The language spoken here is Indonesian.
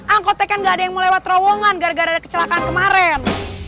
angkotnya kan gak ada yang mau lewat terowongan gara gara ada kecelakaan kemarin